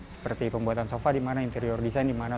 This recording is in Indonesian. seperti pembuatan sofa di mana interior desain di mana